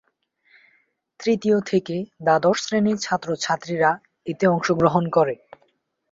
তৃতীয় থেকে দ্বাদশ শ্রেণীর ছাত্র-ছাত্রীরা এতে অংশগ্রহণ করে।